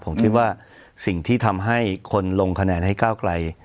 ผมคิดว่าสิ่งที่ทำให้คนลงคะแนนให้ก้าวไกล